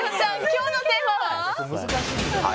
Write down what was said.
今日のテーマは？